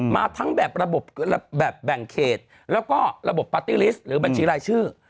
มาทั้งแบบระบบแบบแบ่งเขตแล้วก็ระบบปาร์ตี้ลิสต์หรือบัญชีรายชื่อ